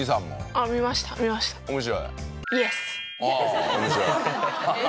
面白い。